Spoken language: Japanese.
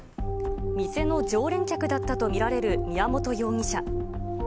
店の常連客だったと見られる宮本容疑者。